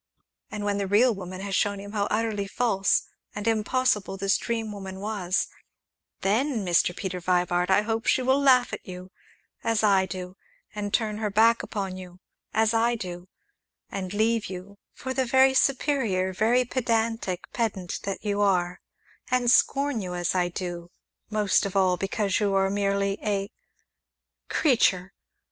And when the real woman has shown him how utterly false and impossible this dream woman was then, Mr. Peter Vibart, I hope she will laugh at you as I do, and turn her back upon you as I do, and leave you for the very superior, very pedantic pedant that you are and scorn you as I do, most of all because you are merely a creature!"